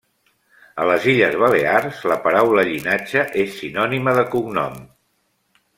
A les Illes Balears la paraula llinatge és sinònima de cognom.